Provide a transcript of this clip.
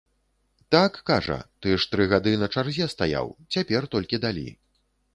Так, кажа, ты ж тры гады на чарзе стаяў, цяпер толькі далі.